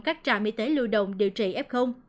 các trạm y tế lưu động điều trị f